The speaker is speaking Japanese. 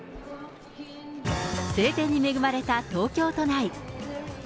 晴天に恵まれた東京都内。